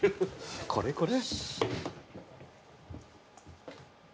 これこれ。